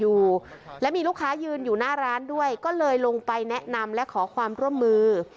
อยู่และมีลูกค้ายืนอยู่หน้าร้านด้วยก็เลยลงไปแนะนำและขอความร่วมมือ